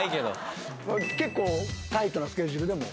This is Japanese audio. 結構タイトなスケジュールでも。